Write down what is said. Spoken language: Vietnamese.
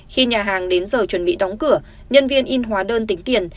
khi nhà hàng đến giờ chuẩn bị đóng cửa nhân viên in hóa đơn tính tiền